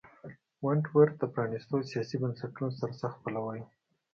ونټ ورت د پرانیستو سیاسي بنسټونو سرسخت پلوی و.